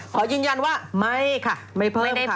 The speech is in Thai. ขอยืนยันว่าไม่ค่ะไม่เพิ่มค่ะ